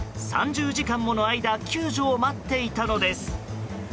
３０時間もの間救助を待っていたのです。